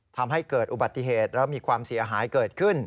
ทำให้เกิดอุบัติเหตุแล้วมีความเสียหายเกิดขึ้น